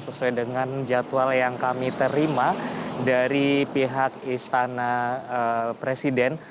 sesuai dengan jadwal yang kami terima dari pihak istana presiden